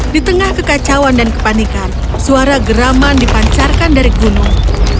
di tengah kekacauan dan kepanikan suara geraman dipancarkan dari gunung